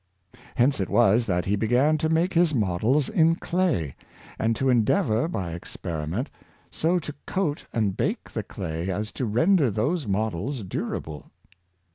Hence it was that he beo:an to make his models in clay, and to endeavor, by experiment, so to coat and bake the clay as to render those models 1 1) 2 Barnard Palissy. durable.